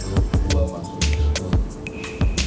untuk dua masuk disitu